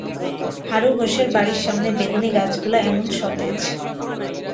হারু ঘোষের বাড়ির সামনে বেগুনগাছগুলি এমন সতেজ।